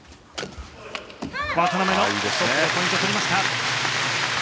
渡辺がポイントを取りました。